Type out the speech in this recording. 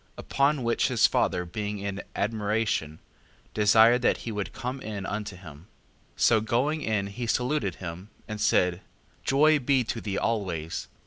Upon which his father being in admiration, desired that he would come in unto him. 5:11. So going in he saluted him, and said: Joy be to thee always.